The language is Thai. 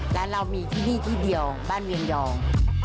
และเรามีที่นี่ที่เดียวบ้านเวียงยอง